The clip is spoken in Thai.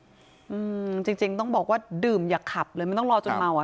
อืมจริงจริงต้องบอกว่าดื่มอย่าขับเลยไม่ต้องรอจนเมาอ่ะ